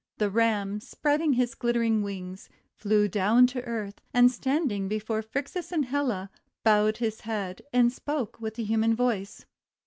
The Ram, spreading his glittering wings, flew down to earth, and, standing before Phrixus and Helle, bowed his head and spoke with a human voice.